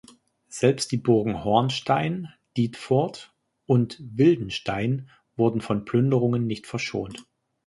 Selbst die Burgen Hornstein, Dietfurt und Wildenstein wurden von Plünderungen nicht verschont.